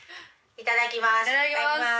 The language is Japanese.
いただきます。